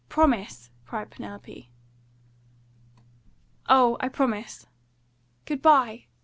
"Promise!" cried Penelope. "Oh, I promise!" "Good bye!"